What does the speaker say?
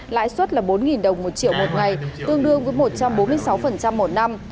lãi suất là bốn đồng một triệu một ngày tương đương với một trăm bốn mươi sáu một năm